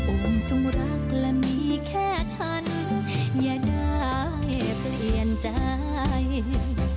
จงรักและมีแค่ฉันอย่าได้เปลี่ยนใจ